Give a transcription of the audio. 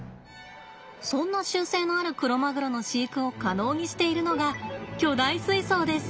そんな習性のあるクロマグロの飼育を可能にしているのが巨大水槽です。